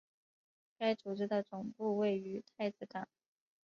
该组织的总部位于太子港。